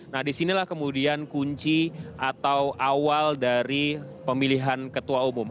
nah disinilah kemudian kunci atau awal dari pemilihan ketua umum